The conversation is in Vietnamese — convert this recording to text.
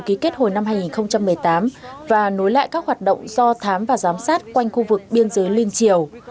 ký kết hồi năm hai nghìn một mươi tám và nối lại các hoạt động do thám và giám sát quanh khu vực biên giới liên triều